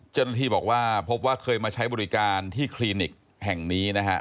เจ้าหน้าที่บอกว่าพบว่าเคยมาใช้บริการที่คลินิกแห่งนี้นะฮะ